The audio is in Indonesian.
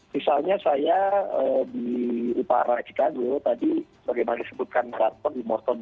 misalnya saya di upara chicago tadi bagaimana disebutkan marathon di morton